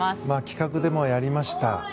企画でもやりました